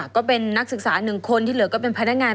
ก็เป็นนักศึกษา๑คนที่เหลือก็เป็นพนักงาน